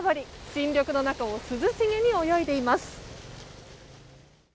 新緑の中を涼しげに泳いでいます。